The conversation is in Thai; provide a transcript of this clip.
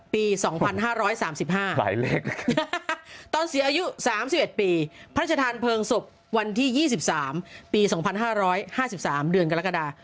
ปี๒๕๓๕หมายเลขตอนเสียอายุ๓๑ปีพระราชทานเพลิงศพวันที่๒๓ปี๒๕๕๓เดือนกรกฎา